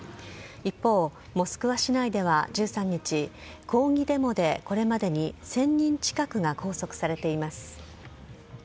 一方、モスクワ市内では１３日、抗議デモでこれまでに１０００人近くが拘束されています。